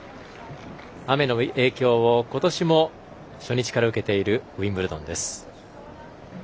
雨の影響を、ことしも初日から受けているウィンブルドンです。